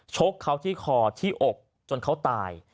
ชกเขาที่คอที่อกจนเขาตาย